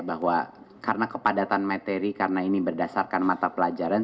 bahwa karena kepadatan materi karena ini berdasarkan mata pelajaran